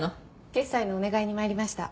決裁のお願いに参りました。